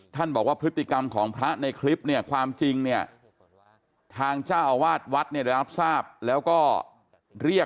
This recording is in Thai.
ท่านบอกว่าพฤติกรรมของพระในคลิปเนี่ยความจริงเนี่ย